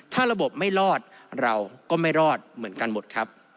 ถ้าระบบไม่รอดเราก็ไม่รอดเหมือนกันหมดครับ